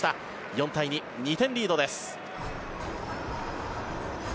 ４対２、２点リードです。